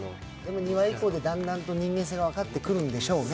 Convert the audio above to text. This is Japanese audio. ２話以降でだんだんと人間性が分かってくるんだろうね。